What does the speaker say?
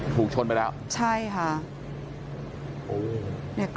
ถูกชนไปแล้วใช่ค่ะ